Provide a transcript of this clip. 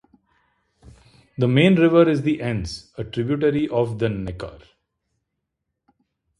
The main river is the Enz, a tributary of the Neckar.